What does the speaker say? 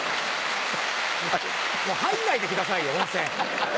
もう入んないでくださいよ温泉。